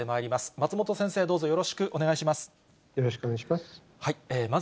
松本先生、どうぞよろしくお願いします。